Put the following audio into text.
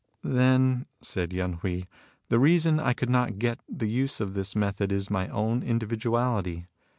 '* Then," said Yen Hui, " the reason I could not get the use of this method is my own in dividuality.